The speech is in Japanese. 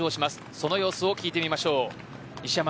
その様子を聞いてみましょう。